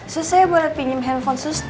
sus saya boleh pinjem handphone sus ter